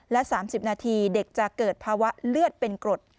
และ๓๐นาทีเด็กจะเกิดภาวะเลือดเป็นกรด